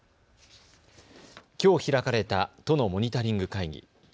きょう開かれた都のモニタリング会議。